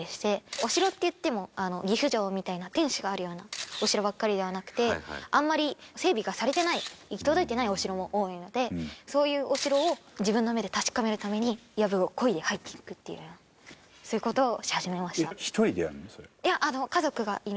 お城っていっても岐阜城みたいな天守があるようなお城ばっかりではなくてあんまり整備がされてない行き届いてないお城も多いのでそういうお城を自分の目で確かめるために藪を漕いで入っていくっていうようなそういう事をし始めました。